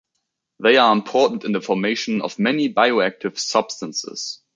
They are important in the formation of many bioactive substances.